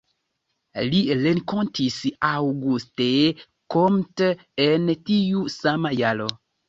Li renkontis Auguste Comte en tiu sama jaro.